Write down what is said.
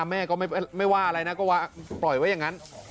แม่ก็ไม่ว่าอะไรนะก็ปล่อยไว้อย่างนั้น